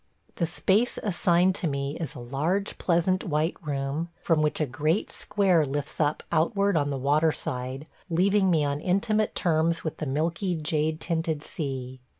The space assigned to me is a large, pleasant white room, from which a great square lifts up outward on the water side, leaving me on intimate terms with the milky, jade tinted sea.